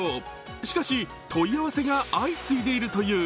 しかし、問い合わせが相次いでいるという。